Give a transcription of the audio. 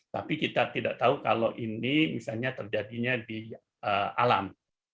tapi kita tidak tahu kalau ini misalnya terjadinya di alam